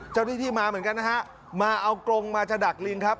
เจ้าหน้าที่มาเหมือนกันนะฮะมาเอากรงมาจะดักลิงครับ